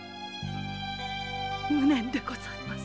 無念でございます。